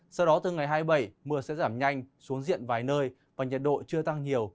sau đó từ ngày hai mươi bảy mưa sẽ giảm nhanh xuống diện vài nơi và nhiệt độ chưa tăng nhiều